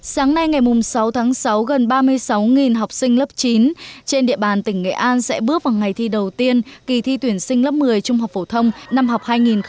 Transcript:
sáng nay ngày sáu tháng sáu gần ba mươi sáu học sinh lớp chín trên địa bàn tỉnh nghệ an sẽ bước vào ngày thi đầu tiên kỳ thi tuyển sinh lớp một mươi trung học phổ thông năm học hai nghìn hai mươi hai nghìn hai mươi một